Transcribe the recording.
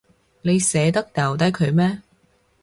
你捨得掉低佢咩？